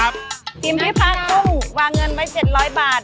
กินที่พากุ้งวางเงินไป๗๐๐บาท